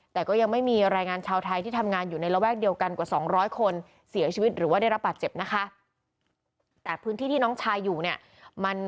แต่ก็ยังไม่มีรายงานชาวไทยที่ทำงานอยู่ในระแวกเดียวกันกว่า๒๐๐คน